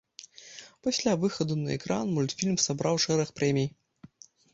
Пасля выхаду на экран мультфільм сабраў шэраг прэмій.